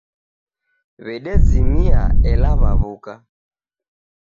Wedezimia ela waw'uka.